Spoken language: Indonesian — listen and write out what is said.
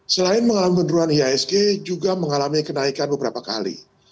selain mengalami penurunan ihsg juga mengalami kenaikan beberapa kali